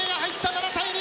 ７対２。